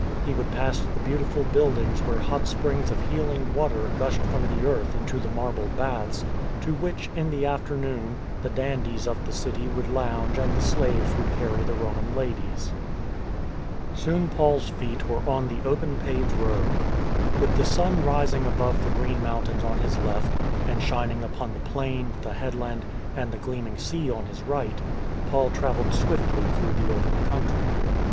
He would pass the beautiful buildings where hot springs of healing water gushed from the earth into the marble baths, to which, in the afternoon, the dandies of the city would lounge and the slaves would carry the Roman ladies. Soon Paul's feet were on the open paved road. With the sun rising above the green mountains on his left, and shining upon the plain, the headland, and the gleaming sea on his right, Paul travelled swiftly through the open country.